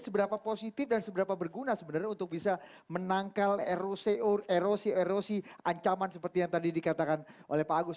seberapa positif dan seberapa berguna sebenarnya untuk bisa menangkal erosi erosi ancaman seperti yang tadi dikatakan oleh pak agus